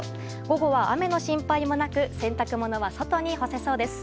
午後は、雨の心配もなく洗濯物は外に干せそうです。